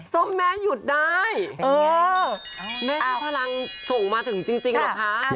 ส้มแม่หยุดได้เออแม่ซื้อพลังส่งมาถึงจริงเหรอคะ